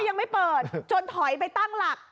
ยังไม่เปิดจนถอยไปตั้งหลัก